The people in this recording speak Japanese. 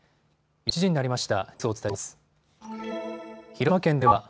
１時になりました。